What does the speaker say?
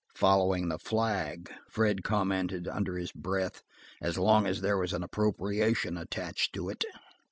"Following the flag," Fred commented under his breath, "as long as there was an appropriation attached to it."